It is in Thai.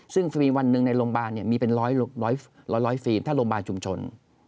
ซึ่งวันหนึ่งในโรงพยาบาลมีเป็นร้อยฟิลล์มถ้ารองบาลชุมชน